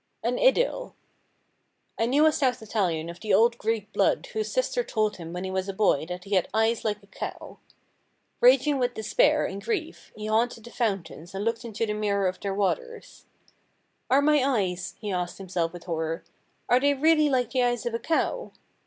An Idyll I knew a South Italian of the old Greek blood whose sister told him when he was a boy that he had eyes like a cow. Raging with despair and grief he haunted the fountains and looked into the mirror of their waters. "Are my eyes," he asked himself with horror, "are they really like the eyes of a cow?"